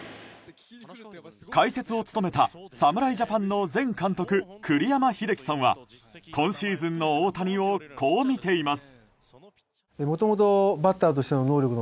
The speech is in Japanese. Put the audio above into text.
解説を務めた侍ジャパンの前監督栗山英樹さんは今シーズンの大谷をこう見ています。